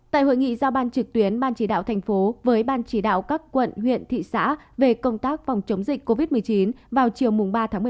tại hội nghị giao ban trực tuyến ban chỉ đạo thành phố với ban chỉ đạo các quận huyện thị xã về công tác phòng chống dịch covid một mươi chín vào chiều ba tháng một mươi một